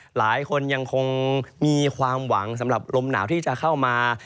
หลายคนยังคงมีความหวังสำหรับลมหนาวที่จะเข้ามา